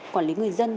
quản lý người dân